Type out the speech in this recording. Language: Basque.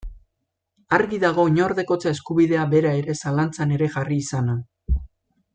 Argi dago oinordekotza eskubidea bera ere zalantzan ere jarri izana.